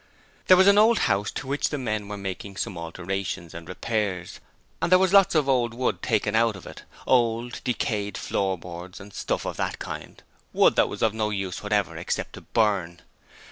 There was an old house to which they were making some alterations and repairs, and there was a lot of old wood taken out of it: old, decayed floorboards and stuff of that kind, wood that was of no use whatever except to burn.